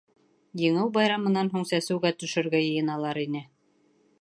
Еңеү байрамынан һуң сәсеүгә төшөргә йыйыналар ине.